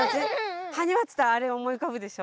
はにわっていったらあれ思いうかぶでしょ。